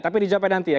tapi dijawabkan nanti ya